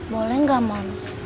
boleh nggak moms